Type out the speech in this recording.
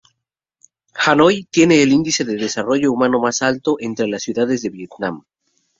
Hanói tiene el índice de desarrollo humano más alto entre las ciudades de Vietnam.